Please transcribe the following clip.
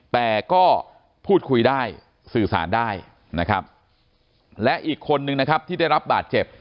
แต่ก็พูดคุยได้สื่อสารได้นะครับและอีกคนนึงนะครับที่ได้รับบาดเจ็บ